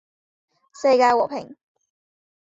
世界和平